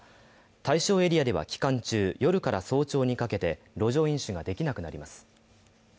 対象エリアでは期間中、夜から早朝にかけて路上飲酒ができなくなります。